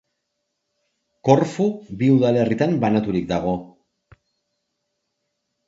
Korfu bi udalerritan banaturik dago.